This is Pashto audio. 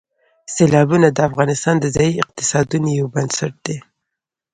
سیلابونه د افغانستان د ځایي اقتصادونو یو بنسټ دی.